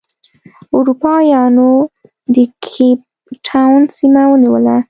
اروپا یانو د کیپ ټاون سیمه ونیوله.